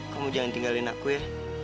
kamu jangan tinggalin aku ya